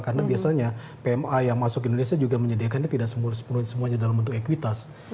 karena biasanya pma yang masuk ke indonesia juga menyediakannya tidak sepenuhnya dalam bentuk ekuitas